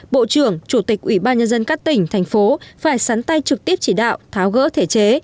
bộ trưởng chủ tịch ủy ban nhân dân các tỉnh thành phố phải sắn tay trực tiếp chỉ đạo tháo gỡ thể chế